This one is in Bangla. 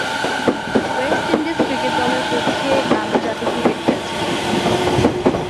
ওয়েস্ট ইন্ডিজ ক্রিকেট দলের পক্ষে আন্তর্জাতিক ক্রিকেট খেলছেন তিনি।